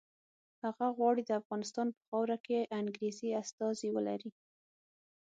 هغه غواړي د افغانستان په خاوره کې انګریزي استازي ولري.